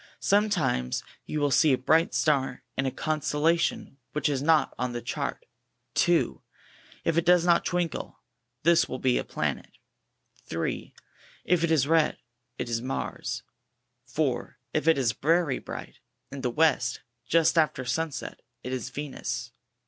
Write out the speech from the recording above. Sometimes you will see a bright star in a constellation which is not on the chart. 2. If it does not twinkle, this will be a Planet. 3. If it is red, it is MARS. 4. If it is very bright, in the west, just after sunset, it is VEXUS.